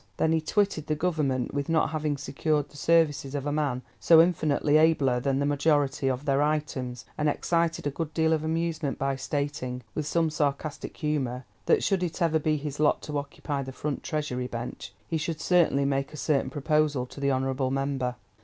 Then he twitted the Government with not having secured the services of a man so infinitely abler than the majority of their "items," and excited a good deal of amusement by stating, with some sarcastic humour, that, should it ever be his lot to occupy the front Treasury bench, he should certainly make a certain proposal to the honourable member.